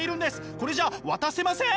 これじゃ渡せません！